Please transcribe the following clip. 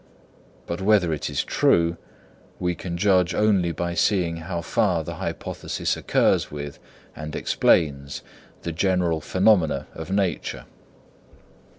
But whether it is true, we can judge only by seeing how far the hypothesis accords with and explains the general phenomena of nature.